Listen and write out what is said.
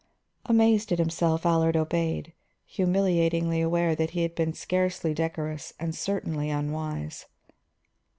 Amazed at himself, Allard obeyed, humiliatingly aware that he had been scarcely decorous and certainly unwise.